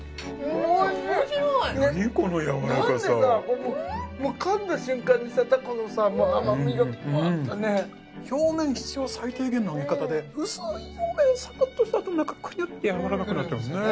おいしい面白いなんでさ噛んだ瞬間にさタコのさ甘みがフワっとね表面必要最低限の揚げ方で薄い表面サクッとしたあとに中クニュッてやわらかくなっちゃいますね